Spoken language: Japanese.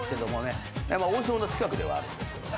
王将の近くではあるんですけども。